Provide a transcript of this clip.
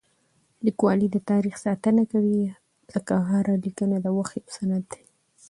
لیکوالی د تاریخ ساتنه کوي ځکه هره لیکنه د وخت یو سند دی.